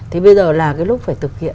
thì bây giờ là cái lúc phải thực hiện